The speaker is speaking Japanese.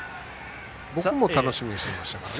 僕も楽しみにしてましたから。